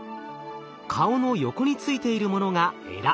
顔の横についているものがエラ。